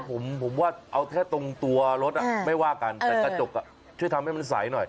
ผมผมว่าเอาแค่ตรงตัวรถไม่ว่ากันแต่กระจกช่วยทำให้มันใสหน่อย